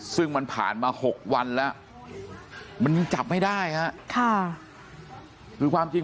ซึ่งมันผ่านมา๖วันแล้วมันยังจับไม่ได้ฮะค่ะคือความจริง